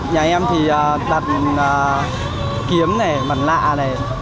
nhà em thì đặt kiếm này mặt lạ này